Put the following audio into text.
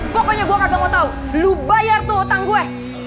pokoknya gua gak mau tau lu bayar tuh otang gue